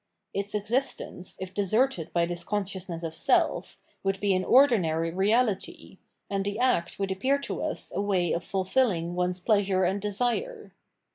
Its existence, if deserted by this consciousness of self, would be an ordinary reality, and the act would appear to us a way of fulfilling one^s plea sure and desire.